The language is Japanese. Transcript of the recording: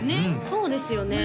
そうですよね